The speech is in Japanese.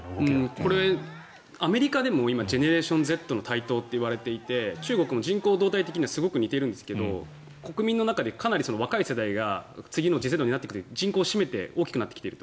これ、アメリカでも今ジェネレーションＺの台頭といわれていて中国も人口動態的にはすごく似ているんですが国民の中で金成若い世代が次の次世代を担う人が人口を占めて大きくなってきていると。